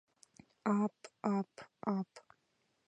— Аап... аап... аап...